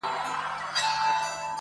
لا به تر کله دا لمبې بلېږي!.